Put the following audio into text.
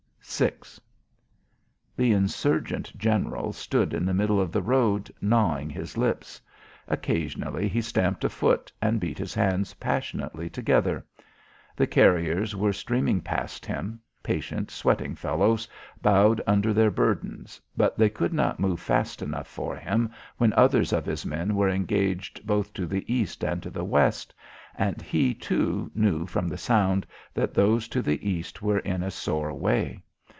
VI The insurgent general stood in the middle of the road gnawing his lips. Occasionally, he stamped a foot and beat his hands passionately together. The carriers were streaming past him, patient, sweating fellows, bowed under their burdens, but they could not move fast enough for him when others of his men were engaged both to the east and to the west, and he, too, knew from the sound that those to the east were in a sore way.